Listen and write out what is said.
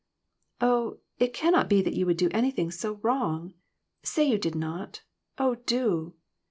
"Oh, it cannot be that you would do anything so wrong ! Say you did not. Oh, do